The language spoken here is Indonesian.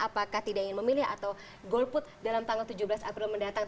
apakah tidak ingin memilih atau golput dalam tanggal tujuh belas april mendatang